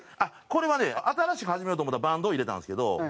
これはね新しく始めようと思ったバンドを入れたんですけど。